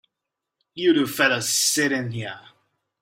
You two fellas sit in here.